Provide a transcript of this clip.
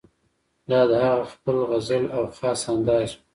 دا د هغه خپله غزل او خاص انداز وو.